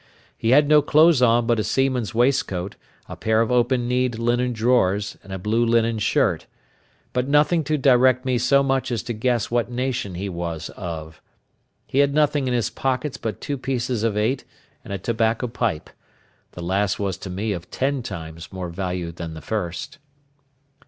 He had no clothes on but a seaman's waistcoat, a pair of open kneed linen drawers, and a blue linen shirt; but nothing to direct me so much as to guess what nation he was of. He had nothing in his pockets but two pieces of eight and a tobacco pipe—the last was to me of ten times more value than the first.